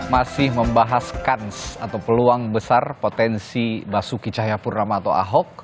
masih membahas kans atau peluang besar potensi basuki cahayapurnama atau ahok